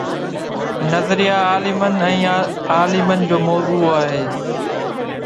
نظريه عالمن ۽ عالمن جو موضوع آهي.